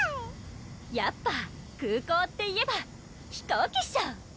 やっぱ空港っていえば飛行機っしょ！